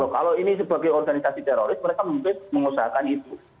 kalau ini sebagai organisasi teroris mereka mungkin mengusahakan itu